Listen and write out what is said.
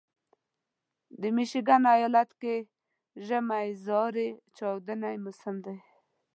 د میشیګن ایالت کې ژمی زارې چاودون موسم دی.